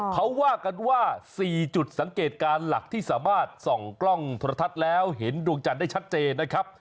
เขาว่ากันว่า๔จุดสังเกตการณ์หลักที่สามารถส่องกล้องโทรทัศน์แล้วเห็นดวงจันทร์ได้ชัดเจนนะครับ